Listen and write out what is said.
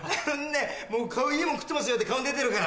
もういいもん食ってますよって顔に出てるから。